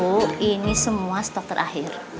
bu ini semua stock terakhir